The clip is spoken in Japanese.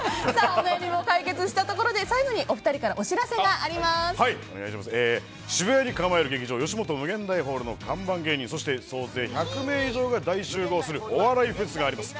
お悩みも解決したところで渋谷に構える劇場ヨシモト∞ホールの看板芸人そして、総勢１００名以上が大集合するお笑いフェスがあります。